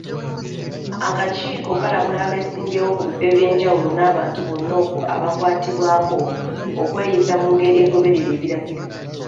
Akakiiko kalabula abeesimbyewo ku bifo eby'enjawulo n'abantu bonna abakwatibwako, okweyisa mungeri egoberera ebiragiro.